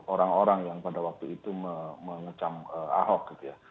orang orang yang pada waktu itu mengecam ahok gitu ya